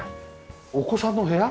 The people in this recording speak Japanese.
お子さんの部屋？